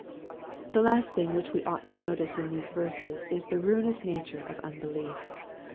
The last thing which we ought to notice in these verses is the ruinous nature of unbelief.